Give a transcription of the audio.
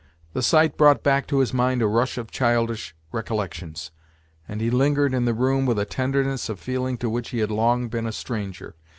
The sight brought back to his mind a rush of childish recollections; and he lingered in the room with a tenderness of feeling to which he had long been a stranger.